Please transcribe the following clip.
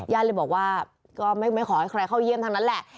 เลยบอกว่าก็ไม่ขอให้ใครเข้าเยี่ยมทั้งนั้นแหละ